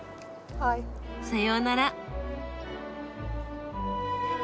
さようなら。